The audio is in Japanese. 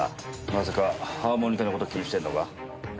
まさかハーモニカの事気にしてんのか？